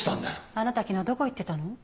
あなた昨日どこ行ってたの？